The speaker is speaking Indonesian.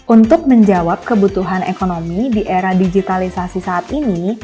untuk menjawab kebutuhan ekonomi di era digitalisasi saat ini